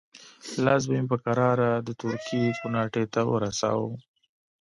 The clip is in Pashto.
لاس به مې په کراره د تورکي کوناټي ته ورساوه.